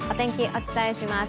お伝えします